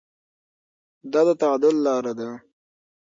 دا د تعادل لاره ده.